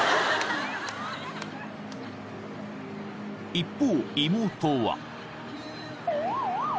［一方妹は］